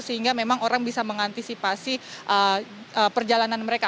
sehingga memang orang bisa mengantisipasi perjalanan mereka